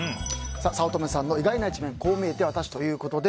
早乙女さんの意外な一面こう見えてワタシということで。